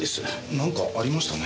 なんかありましたね。